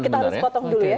kita harus potong dulu ya